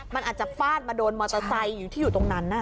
มันอาจจะฟาดมาโดนมอเตอร์ไซค์อยู่ที่อยู่ตรงนั้น